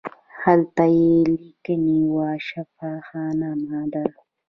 هلته یې لیکلي وو شفاخانه مادر.